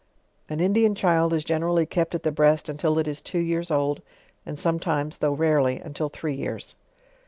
An Indian child is generally kept at the breast until it is two years old, and sometimes, though rarely, until three years.